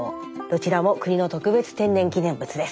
どちらも国の特別天然記念物です。